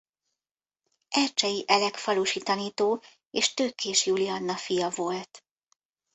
Ercsei Elek falusi tanító és Tőkés Julianna fia volt.